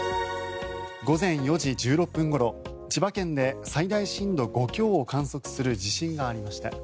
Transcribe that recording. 午前４時１６分ごろ千葉県で最大震度５強を観測する地震がありました。